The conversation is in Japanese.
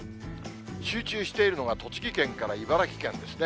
集中しているのが栃木県から茨城県ですね。